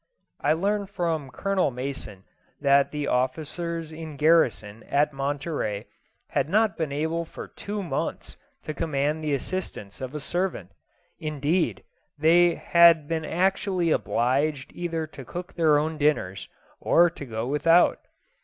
I learned from Colonel Mason that the officers in garrison at Monterey had not been able for two months to command the assistance of a servant. Indeed, they had been actually obliged either to cook their own dinners, or to go without.